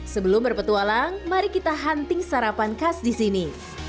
sebelum berpetualang mari kita hunting sarapan khas di sini